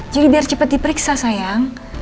jadi biar cepat diperiksa sayang